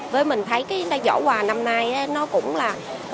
với mình thấy cái giỏ quà năm nay nó cũng là